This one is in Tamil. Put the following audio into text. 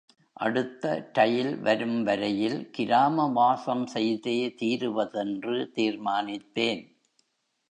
அடுத்த ரயில் வரும் வரையில் கிராம வாசம் செய்தே தீருவதென்று தீர்மானித்தேன்.